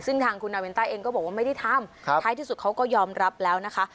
ซึ่งทางคุณนาวินต้าเองก็บอกว่าไม่ได้ทำท้ายที่สุดเขาก็ยอมรับแล้วนะคะ